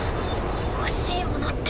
欲しいものって。